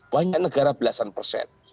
banyak negara belasan persen